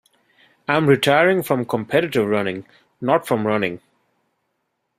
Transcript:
I'm retiring from competitive running, not from running.